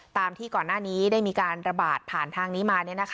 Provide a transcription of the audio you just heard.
ตามที่ก่อนหน้านี้ได้มีการระบาดผ่านทางนี้มา